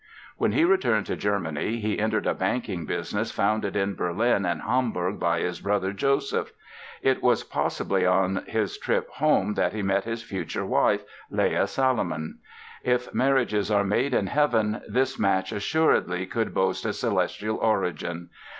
When he returned to Germany he entered a banking business founded in Berlin and Hamburg by his brother, Joseph. It was possibly on his trip home that he met his future wife, Leah Salomon. If marriages are made in heaven this match assuredly could boast a celestial origin!